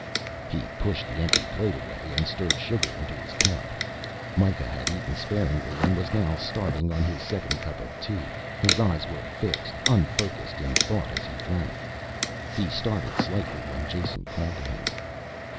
He pushed the empty plate away and stirred sugar into his cup. Mikah had eaten sparingly and was now starting on his second cup of tea. His eyes were fixed, unfocused in thought as he drank. He started slightly when Jason called to him.